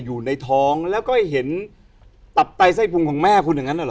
อยู่ในท้องแล้วก็เห็นตับไตไส้พุงของแม่คุณอย่างนั้นเหรอ